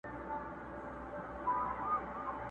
ګاونډیان خپلوان در یاد کړه بس همدغه راز پریږدي دي.!